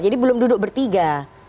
jadi belum duduk bertiga